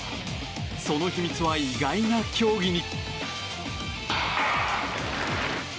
その秘密は意外な競技に。